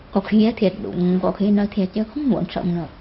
có khi là thiệt đúng có khi là nói thiệt chứ không quan trọng đâu